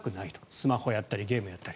スマホをやったりゲームをやったり。